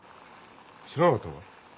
知らなかったのか？